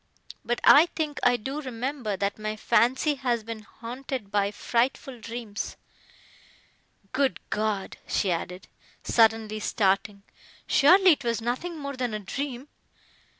—"But I think I do remember, that my fancy has been haunted by frightful dreams. Good God!" she added, suddenly starting—"surely it was nothing more than a dream!"